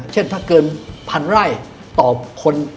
เช่นถ้าเกินพันไร่ต่อคน